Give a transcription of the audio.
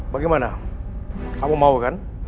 bagaimana kamu mau kan